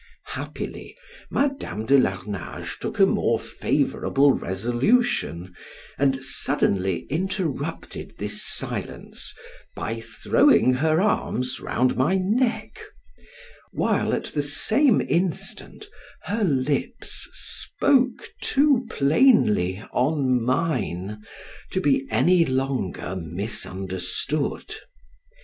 Happily, Madam de Larnage took a more favorable resolution, and suddenly interrupted this silence by throwing her arms round my neck, while, at the same instant, her lips spoke too plainly on mine to be any longer misunderstood.